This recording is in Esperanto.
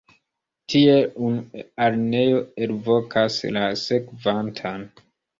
Tiel unu alineo elvokas la sekvantan.